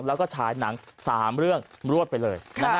แล้วก็ฉายหนัง๓เรื่องรวดไปเลย